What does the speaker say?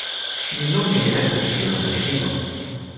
Li longe redaktis juran revuon.